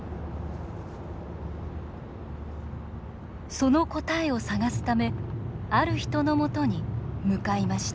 その答えを探すためある人のもとに向かいました